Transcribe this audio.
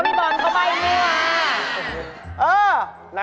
ก็พี่บอลเข้าไปอีกนิดนึงอ่ะ